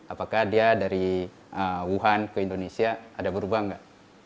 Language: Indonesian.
apakah dia dari wuhan ke indonesia ada berubah nggak